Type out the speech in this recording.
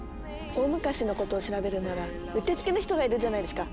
大昔のことを調べるならうってつけの人がいるじゃないですか！